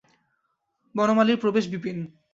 বনমালীর প্রবেশ বিপিন।